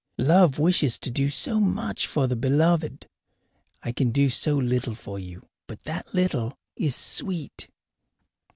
Love wishes to do so much for the beloved! I can do so little for you, but that little is sweet.